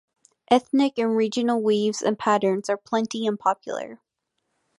Ethnic and regional weaves and patterns are plenty and popular.